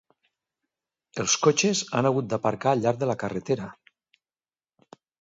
Els cotxes han hagut d’aparcar al llarg de la carretera!